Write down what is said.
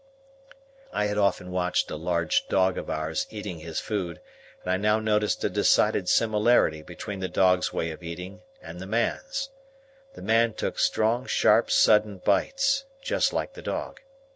I had often watched a large dog of ours eating his food; and I now noticed a decided similarity between the dog's way of eating, and the man's. The man took strong sharp sudden bites, just like the dog.